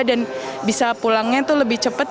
dan bisa pulangnya itu lebih cepat